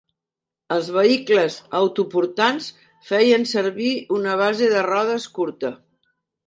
Els vehicles autoportants feien servir una base de rodes curta.